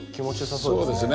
そうですね。